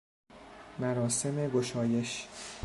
مراسم گشایش